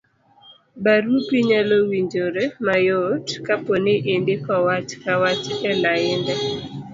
barupi nyalo winjore mayot kapo ni indiko wach ka wach e lainde